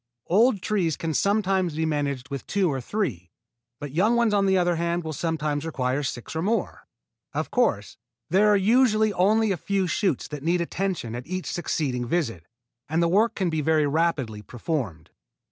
Old trees can sometimes be managed with two or three, but young ones, on the other hand, will sometimes require six or more. Of course, there are usually only a few shoots that need attention at each succeeding visit, and the work can be very rapidly performed.